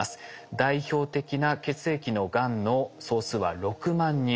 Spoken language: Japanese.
代表的な血液のがんの総数は６万人。